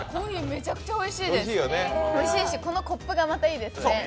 めちゃくちゃおいしいです、おいしいしコップがまたいいですね。